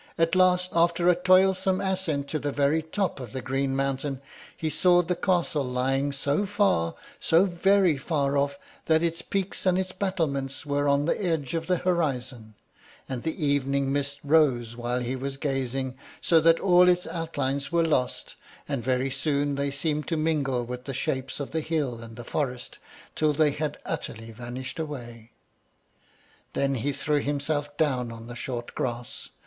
At last, after a toilsome ascent to the very top of the green mountain, he saw the castle lying so far, so very far off, that its peaks and its battlements were on the edge of the horizon, and the evening mist rose while he was gazing, so that all its outlines were lost, and very soon they seemed to mingle with the shapes of the hill and the forest, till they had utterly vanished away. Then he threw himself down on the short grass.